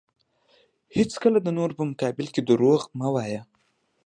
هیڅکله د نورو په مقابل کې دروغ مه وایه.